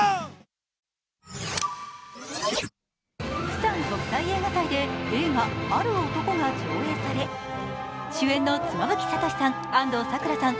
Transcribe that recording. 釜山国際映画祭で映画「ある男」が上映され主演の妻夫木聡さん安藤サクラさん